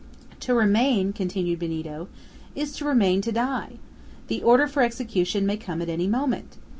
"To remain," continued Benito, "is to remain to die! The order for execution may come at any moment!